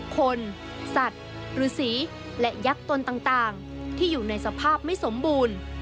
คนสัตว์หรือสีและยักษ์ตนต่างที่อยู่ในสภาพไม่สมบูรณ์